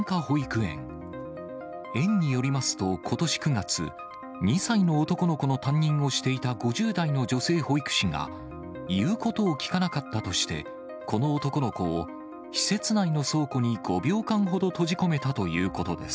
園によりますと、ことし９月、２歳の男の子の担任をしていた５０代の女性保育士が、言うことを聞かなかったとして、この男の子を施設内の倉庫に５秒間ほど閉じ込めたということです。